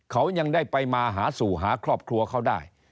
เขายังได้ไปมาหาสู่หาครอบครัวเขาได้